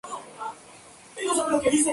Lo probaron y se quedó en el club.